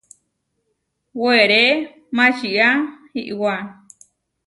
Weré maʼčía iʼwá.